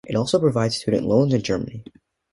It also provides student loans in Germany.